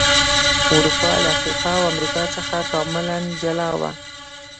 اروپا له افریقا او امریکا څخه کاملا جلا و.